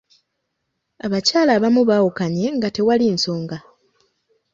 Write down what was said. Abakyala abamu baawukanye nga tewali nsonga.